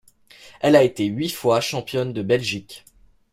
Elle a été huit fois championne de Belgique..